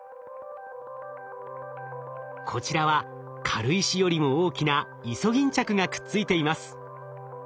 こちらは軽石よりも大きなイソギンチャクがくっついています。